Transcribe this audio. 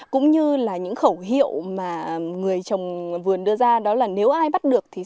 cũng như là những khẩu hiệu mà người trồng vườn đưa ra đó là nếu ai bắt được thì